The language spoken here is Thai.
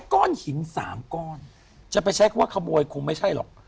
ก้อนหิน๓ก้อนจะไปใช้คำว่าขโมยคงไม่ใช่หรอก